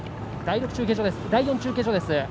第４中継所です。